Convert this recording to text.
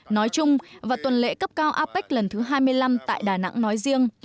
nói chung và tuần lễ cấp cao apec lần thứ hai mươi năm tại đà nẵng nói riêng